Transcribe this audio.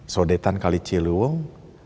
sudetan kali celiwung